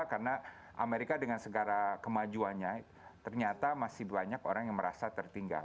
karena amerika dengan segala kemajuannya ternyata masih banyak orang yang merasa tertinggal